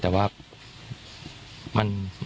แต่ว่ามัน